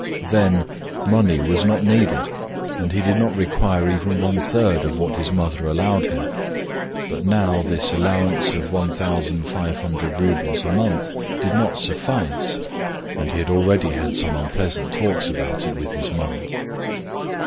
Then money was not needed, and he did not require even one third of what his mother allowed him; but now this allowance of 1,500 roubles a month did not suffice, and he had already had some unpleasant talks about it with his mother.